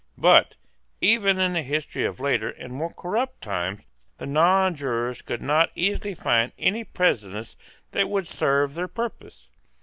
But, even in the history of later and more corrupt times, the nonjurors could not easily find any precedent that would serve their purpose.